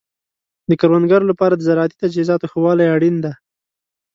د کروندګرو لپاره د زراعتي تجهیزاتو ښه والی اړین دی.